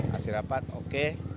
hasil rapat oke